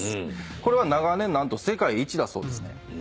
これは長年世界一だそうですね。